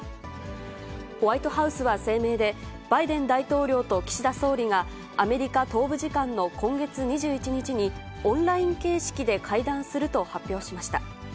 ホワイトハウスは声明で、バイデン大統領と岸田総理がアメリカ東部時間の今月２１日に、オンライン形式で会談すると発表しました。